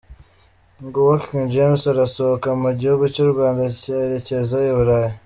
Nguwo King James asohoka mu gihugu cy'u Rwanda yerekeza i Burayi.